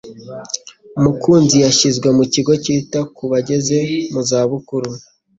Mukunzi yashyizwe mu kigo cyita ku bageze mu za bukuru.